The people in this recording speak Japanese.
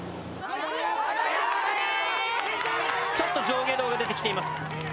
・ちょっと上下動が出てきています。